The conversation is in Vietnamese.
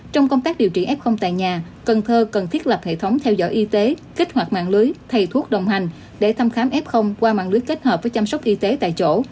trong công tác điều trị f tại nhà cần thơ cần thiết lập hệ thống theo dõi y tế kích hoạt mạng lưới thầy thuốc đồng hành để thăm khám f qua mạng lưới kết hợp với chăm sóc y tế tại chỗ